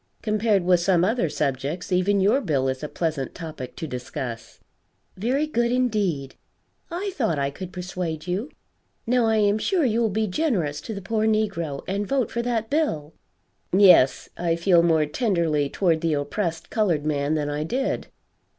Compared with some other subjects, even your bill is a pleasant topic to discuss." "Very good indeed! I thought I could persuade you. Now I am sure you will be generous to the poor negro and vote for that bill." "Yes, I feel more tenderly toward the oppressed colored man than I did.